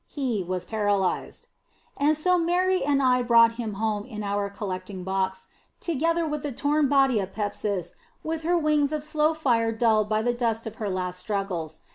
He was paralyzed. And so Mary and I brought him home in our collecting box, together with the torn body of Pepsis with her wings of slow fire dulled by the dust of her last struggles.